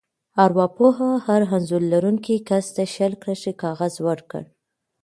ارواپوه هر انځور لرونکي کس ته شل کرښې کاغذ ورکړ.